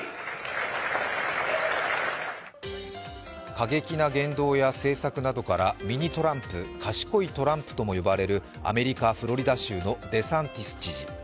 過激な言動や政策などからミニ・トランプ、賢いトランプとも呼ばれるアメリカ・フロリダ州のデサンティス知事。